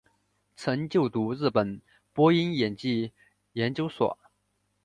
曾就读日本播音演技研究所。